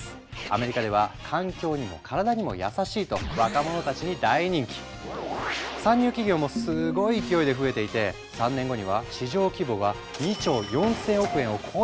アメリカでは環境にも体にも優しいと参入企業もすごい勢いで増えていて３年後には市場規模がどうです？